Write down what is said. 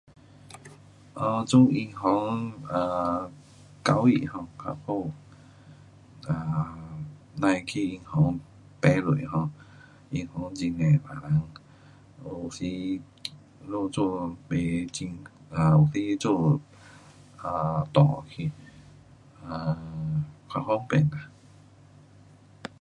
呃，做银行啊，隔壁 um 较好，啊，甭去银行排队 um 银行很多人，有时那里做不很，有时做，um 错去，um 较方便啦。